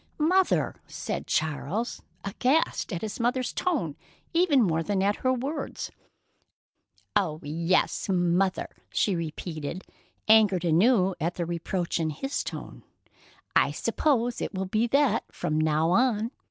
"Mother!" said Charles, aghast at his mother's tone even more than at her words. "Oh, yes, 'Mother'!" she repeated, angered anew at the reproach in his tone. "I suppose it will be that from now on.